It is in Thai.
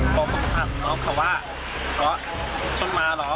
พอพบภัณฑ์แล้วเค้าว่าเค้าชนมาเหรอ